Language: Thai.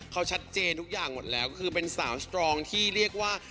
เขาชัดเจนทุกอย่างหมดแล้วคือเป็นสาวสตรองที่เรียกว่า